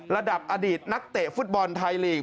ระดับอดีตนักเตะฟุตบอลไทยลีก